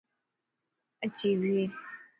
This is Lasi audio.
اُڇي بي